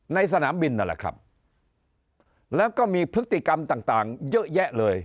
สนามบินนั่นแหละครับแล้วก็มีพฤติกรรมต่างเยอะแยะเลย